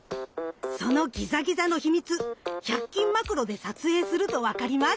そのギザギザのヒミツ１００均マクロで撮影すると分かります！